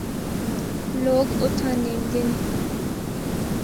لوگ اُتھا نہندے ہن۔